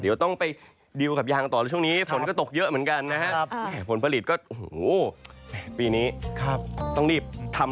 เดี๋ยวต้องไปดิวกับยางต่อช่วงนี้ฝนก็ตกเยอะเหมือนกันนะครับ